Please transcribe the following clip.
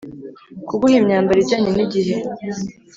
Kuguha imyambaro ijyanye n’igihe